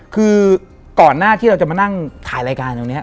คือก่อนหน้าที่เราจะมานั่งถ่ายรายการตรงนี้